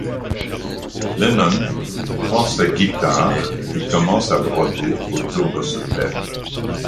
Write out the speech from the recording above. Lennon prend sa guitare et commence à broder autour de ce thème.